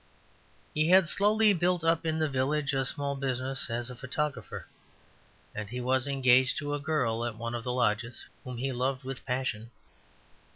He had slowly built up in the village a small business as a photographer, and he was engaged to a girl at one of the lodges, whom he loved with passion.